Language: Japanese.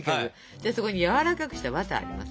じゃあそこにやわらかくしたバターがあります。